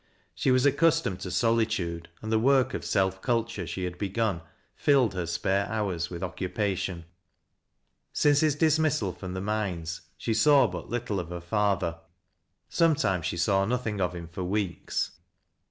She was accustomed to solitude, and the work of self culture she had begun filled her spare houra with occupation. Since his dismissal from the mines, she saw but little of her father. Sometimes she saw nothing of him for weeks.